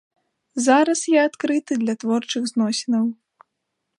Зараз я адкрыты для творчых зносінаў.